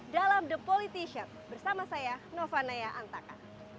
dalam the politician bersama saya novanaya antaka